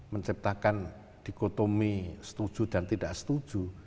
menciptakan dikotomi setuju dan tidak setuju